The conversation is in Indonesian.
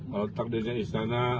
kalau takdirnya istana